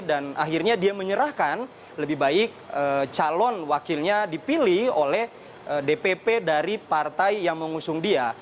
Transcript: dan akhirnya dia menyerahkan lebih baik calon wakilnya dipilih oleh dpp dari partai yang mengusung dia